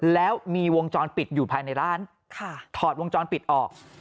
แล้วมีวงจรปิดอยู่ภายในร้านถอดวงจรปิดออก